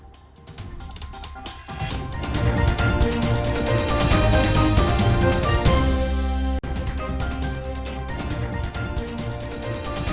tim gabungan dari